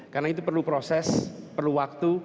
karena itu perlu proses perlu waktu